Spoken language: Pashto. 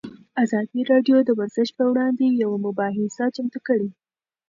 ازادي راډیو د ورزش پر وړاندې یوه مباحثه چمتو کړې.